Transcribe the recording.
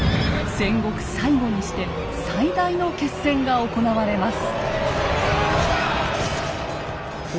戦国最後にして最大の決戦が行われます。